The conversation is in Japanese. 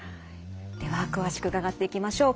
では詳しく伺っていきましょう。